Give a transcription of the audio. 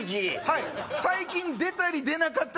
はい。